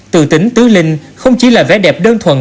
từ tính tứ linh không chỉ là vẻ đẹp đơn thuần